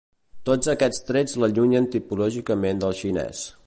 Tots aquests trets l'allunyen tipològicament del xinès.